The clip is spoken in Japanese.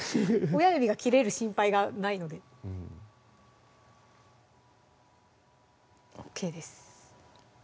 親指が切れる心配がないのでＯＫです